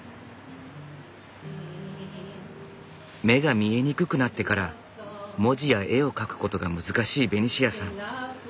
目が見えにくくなってから文字や絵を描くことが難しいベニシアさん。